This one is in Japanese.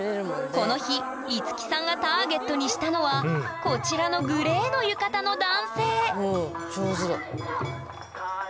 この日樹さんがターゲットにしたのはこちらのグレーの浴衣の男性おお上手だ。